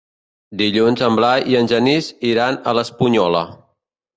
Dilluns en Blai i en Genís iran a l'Espunyola.